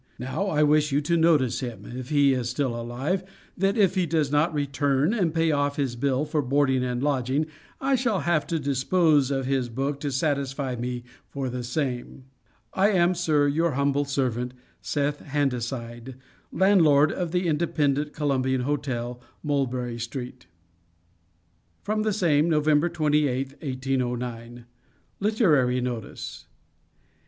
Now, I wish you to notice him, if he is still alive, that if he does not return and pay off his bill for boarding and lodging, I shall have to dispose of his book to satisfy me for the same. I am, Sir, your humble servant, SETH HANDASIDE, Landlord of the Independent Columbian Hotel, Mulberry Street. From the same, November 28, 1809. LITERARY NOTICE.